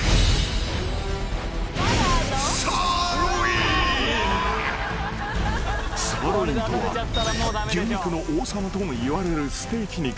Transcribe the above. ［サーロインとは牛肉の王様ともいわれるステーキ肉］